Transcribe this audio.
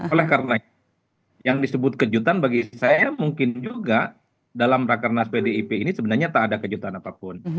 oleh karena itu yang disebut kejutan bagi saya mungkin juga dalam rakernas pdip ini sebenarnya tak ada kejutan apapun